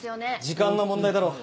時間の問題だろう。